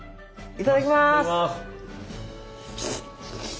いただきます。